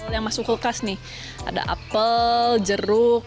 yang masuk kulkas nih ada apel jeruk